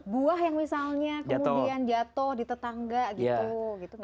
buah yang misalnya kemudian jatuh di tetangga gitu